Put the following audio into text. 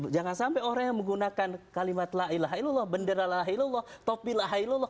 jangan sampai orang yang menggunakan kalimat la ilaha ilallah bendera la ilaha ilallah topi la ilaha ilallah